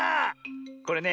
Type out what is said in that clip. これね